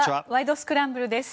スクランブル」です。